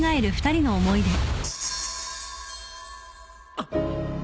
あっ。